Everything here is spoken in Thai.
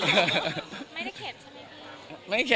ไม่เค็ดใช่มั้ยครับ